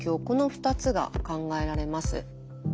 この２つが考えられます。